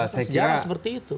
sejarah seperti itu